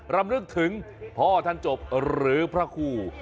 รำลึกถึงพ่อท่านจบหรือพระครู